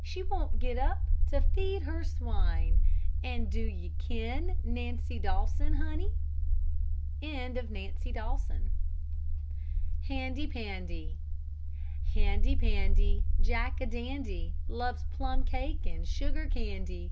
She won't get up to feed her swine, And do ye ken Nancy Dawson, honey? HANDY PANDY Handy Pandy, Jack a dandy, Loves plum cake and sugar candy.